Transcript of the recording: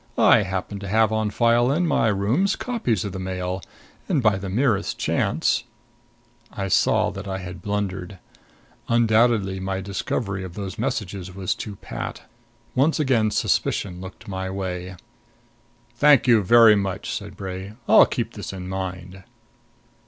I happened to have on file in my rooms copies of the Mail, and by the merest chance " I saw that I had blundered. Undoubtedly my discovery of those messages was too pat. Once again suspicion looked my way. "Thank you very much," said Bray. "I'll keep this in mind."